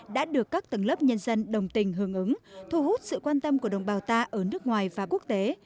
đã được các tầng lớp nhân dân đồng tình hưởng ứng thu hút sự quan tâm của đồng bào ta ở nước ngoài và quốc tế